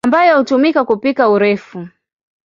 ambayo hutumika kupika urefu.